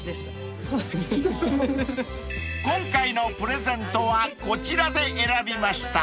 ［今回のプレゼントはこちらで選びました］